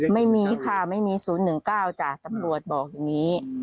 ไม่มีค่ะไม่มี๐๑๙จ้ะตำรวจบอกอย่างนี้